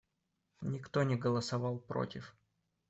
Никто не голосовал против.